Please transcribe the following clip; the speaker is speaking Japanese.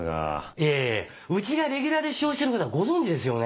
いやいやうちがレギュラーで使用してることはご存じですよね？